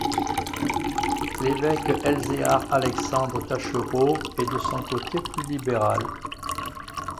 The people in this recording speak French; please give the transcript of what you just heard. L'évêque Elzéar-Alexandre Taschereau est de son côté plus libéral.